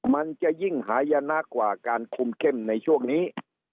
มันจะยิ่งหายนะกว่าการคุมเข้มในช่วงนี้